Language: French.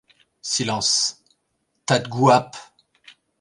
Silence, tas de gouapes !